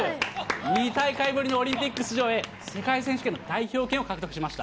２大会ぶりのオリンピック出場へ、世界選手権の代表権を獲得しました。